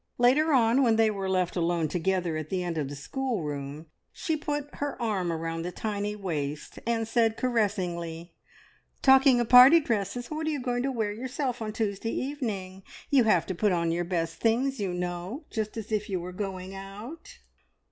Later on, when they were left alone together at the end of the schoolroom, she put her arm round the tiny waist, and said caressingly "Talking of party dresses, what are you going to wear yourself on Tuesday evening? You have to put on your best things, you know, just as if you were going out?"